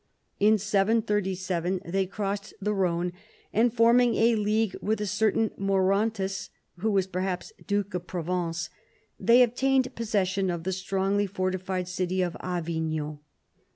In 737 they crossed the Rhone, and forming a league with a certain Maurontus (who was perhaps Duke of Provence), they obtained possession of the strongl} " fortified cit}'^ of Avignon.